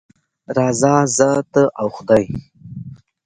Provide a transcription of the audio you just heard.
راځه زه، ته او خدای.